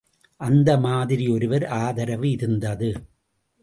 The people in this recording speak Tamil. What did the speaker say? அந்த மாதிரி ஒருவர் ஆதரவு இருந்தது.